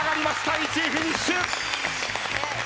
１位フィニッシュ。